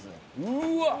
うわっ！